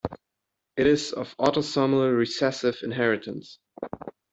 It is of autosomal recessive inheritance.